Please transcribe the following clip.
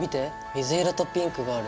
水色とピンクがある。